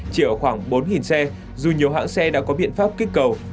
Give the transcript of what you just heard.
chỉ ở khoảng bốn xe dù nhiều hãng xe đã có biện pháp kích cầu